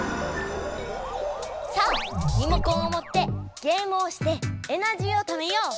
さあリモコンをもってゲームをしてエナジーをためよう！